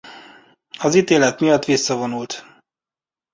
Az ítélet miatt visszavonult.